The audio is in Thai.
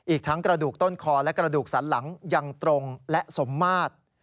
อีกทั้งกระดูกต้นคอและกระดูกสันหลังยังตรงและสมมาตร